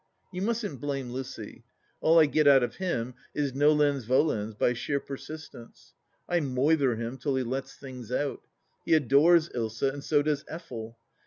You mustn't blame Lucy ; all I get out of him is nolens volens — by sheer persistence. I moither him till he lets things out. He adores Ilsa, and so does Effel.